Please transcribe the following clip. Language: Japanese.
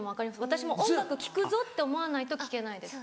私も音楽聴くぞって思わないと聴けないです。